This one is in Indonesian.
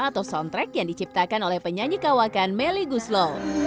atau soundtrack yang diciptakan oleh penyanyi kawakan melly guslo